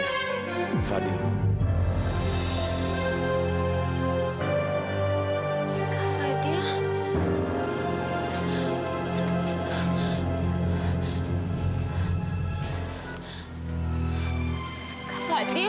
aku sudah mencintai kamila